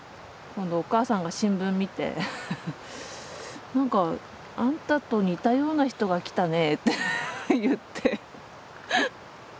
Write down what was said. お母さんが新聞見て「なんかあんたと似たような人が来たね」って言って。